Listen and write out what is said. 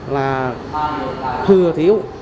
là thừa thiếu